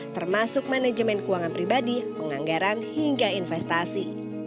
termasuk manajemen keuangan pribadi penganggaran hingga investasi